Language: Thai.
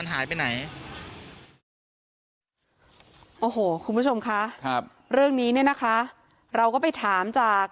หายไปไหนโอ้โหคุณผู้ชมคะครับเรื่องนี้เนี่ยนะคะเราก็ไปถามจาก